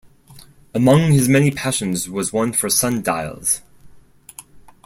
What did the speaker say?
Among his many passions was one for sundials.